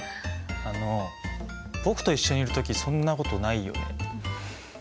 あの僕と一緒にいるときそんなことないよね。